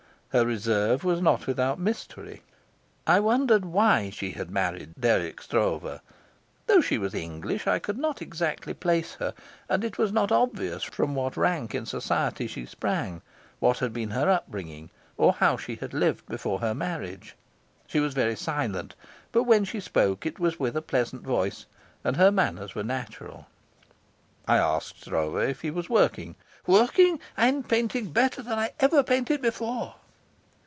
Her reserve was not without mystery. I wondered why she had married Dirk Stroeve. Though she was English, I could not exactly place her, and it was not obvious from what rank in society she sprang, what had been her upbringing, or how she had lived before her marriage. She was very silent, but when she spoke it was with a pleasant voice, and her manners were natural. I asked Stroeve if he was working. "Working? I'm painting better than I've ever painted before."